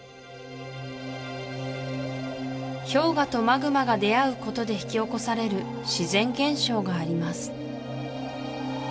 氷河とマグマが出合うことで引き起こされる自然現象があります